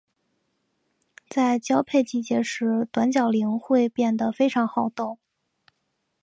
在交配季节时短角羚会变得非常好斗。